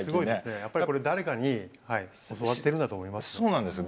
やっぱりこれ誰かに教わってるんだと思いますよ。